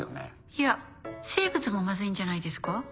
いや生物もマズいんじゃないですか？